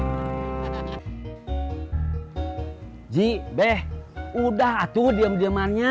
hai ji beh udah tuh diam diamannya